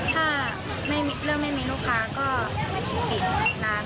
ถ้าไม่มีเรื่องไม่มีลูกค้าก็ปิดร้านค่ะ